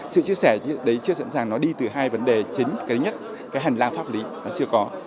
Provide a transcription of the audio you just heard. sự chia sẻ đấy chưa sẵn sàng nó đi từ hai vấn đề chính cái nhất cái hành lang pháp lý nó chưa có